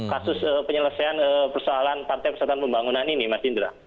kasus penyelesaian persoalan partai persatuan pembangunan ini mas indra